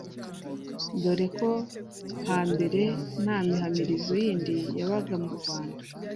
dore ko hambere nta mihamirizo yindi yabaga mu rwanda